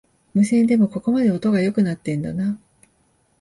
無線でもここまで音が良くなってんだな